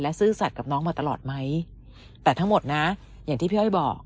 ซื่อสัตว์กับน้องมาตลอดไหมแต่ทั้งหมดนะอย่างที่พี่อ้อยบอก